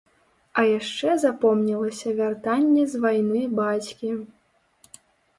А яшчэ запомнілася вяртанне з вайны бацькі.